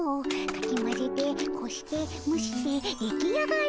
かきまぜてこしてむして出来上がる。